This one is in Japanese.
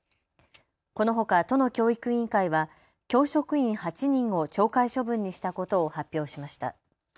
このほか都の教育委員会は教職員８人を懲戒処分にしたことを発表しました。